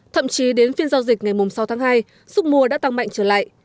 kể đến phiên giao dịch ngày sáu tháng hai súc mùa đã tăng mạnh trở lại